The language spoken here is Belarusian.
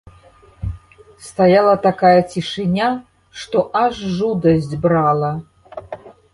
Стаяла такая цішыня, што аж жудасць брала.